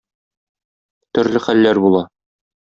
Төрле хәлләр була.